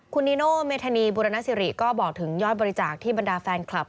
คุณนิโนเมธานีบุรณสิริก็บอกถึงยอดบริจาคที่บรรดาแฟนคลับ